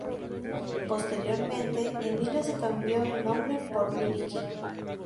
Posteriormente, Emilio se cambió el nombre por "Miliki".